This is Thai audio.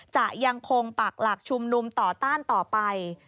จะยังคงปักหลักชุมนุมต่อต้านต่อไป